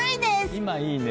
今、いいね。